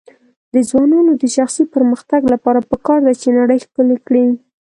د ځوانانو د شخصي پرمختګ لپاره پکار ده چې نړۍ ښکلی کړي.